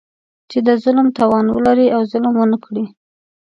چې د ظلم توان ولري او ظلم ونه کړي.